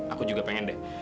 aku juga pengen deh